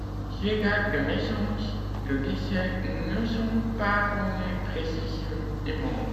Ses dates de naissance et de décès ne sont pas connues précisément.